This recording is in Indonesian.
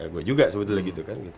gue juga sebetulnya gitu kan